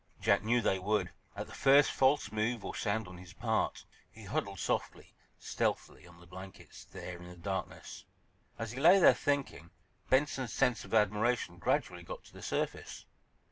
Jack knew they would, at the first false move or sound on his part. He huddled softly, stealthily, on the blankets, there in the darkness. As he lay there, thinking, Benson's sense of admiration gradually got to the surface.